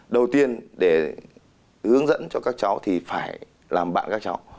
đầu tiên để hướng dẫn cho các cháu thì phải làm bạn các cháu